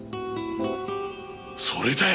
それだよ